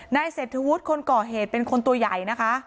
นายเศรษฐวุฒิคนก่อเหตุเป็นคนตัวใหญ่นะคะ